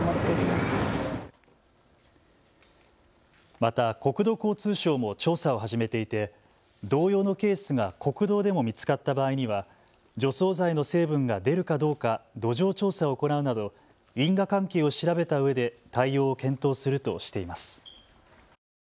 また国土交通省も調査を始めていて同様のケースが国道でも見つかった場合には除草剤の成分が出るかどうか土壌調査を行うなど因果関係を調べたうえで対応を検討するとしています。